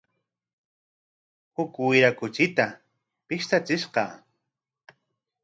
Huk wira kuchita pishtachishqa.